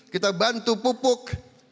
kita bantu pupuk